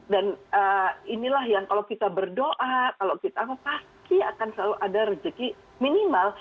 dan inilah yang kalau kita berdoa kalau kita apa pasti akan selalu ada rezeki minimal